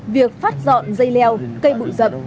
việc phát dọn dây leo cây bụi rậm